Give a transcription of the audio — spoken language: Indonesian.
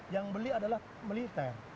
yang beli adalah militer